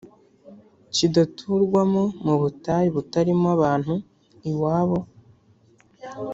kidaturwamo mu butayu butarimo abantu iwabo